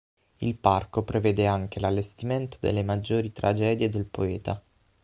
Il parco prevede anche l'allestimento delle maggiori tragedie del poeta.